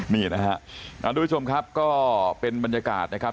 นี่นะครับทุกผู้ชมครับก็เป็นบรรยากาศนะครับ